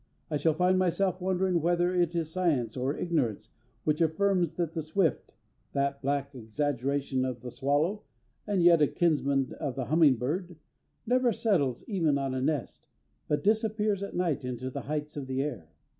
I shall find myself wondering whether it is science or ignorance which affirms that the swift (that black exaggeration of the swallow and yet a kinsman of the humming bird) never settles even on a nest, but disappears at night into the heights of the air.